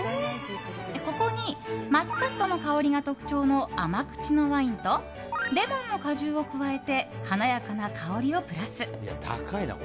ここにマスカットの香りが特徴の甘口のワインとレモンの果汁を加えて華やかな香りをプラス。